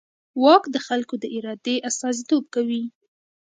واک د خلکو د ارادې استازیتوب کوي.